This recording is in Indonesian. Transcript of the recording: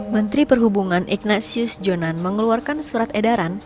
menteri perhubungan ignatius jonan mengeluarkan surat edaran